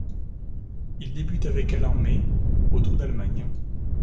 Il débute avec elle en mai, au Tour d'Allemagne.